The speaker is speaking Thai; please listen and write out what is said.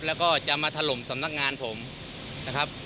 แล้วก็จะมาถล่มสำนักงานผมนะครับ